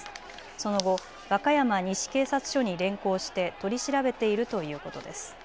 その後、和歌山西警察署に連行して取り調べているということです。